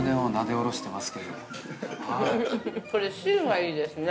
◆これ、汁がいいですね。